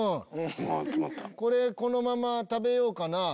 これこのまま食べようかな。